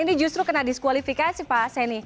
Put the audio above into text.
ini justru kena diskualifikasi pak seni